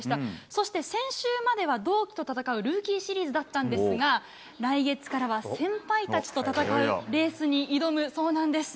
そして先週までは、同期と戦うルーキーシリーズだったんですけれども、来月からは先輩たちと戦うレースに挑むそうなんです。